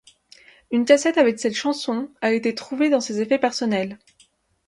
Une cassette avec cette chanson a été trouvée dans ses effets personnels.